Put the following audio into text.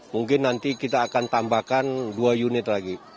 mungkin nanti kita akan tambahkan dua unit lagi